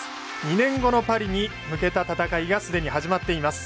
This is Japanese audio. ２年後のパリに向けた戦いがすでに始まっています。